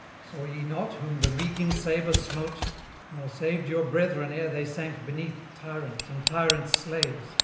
Saw ye not whom the reeking sabre smote; Nor saved your brethren ere they sank beneath Tyrants and tyrants' slaves?